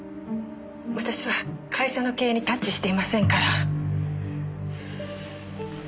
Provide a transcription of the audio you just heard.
私は会社の経営にタッチしていませんから。